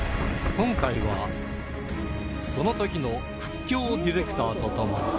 今回はその時の屈強ディレクターと共に